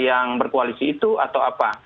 yang berkoalisi itu atau apa